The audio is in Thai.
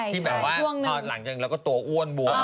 พี่แบบว่าหอดหลังจังแล้วก็ตัวอ้วนบวน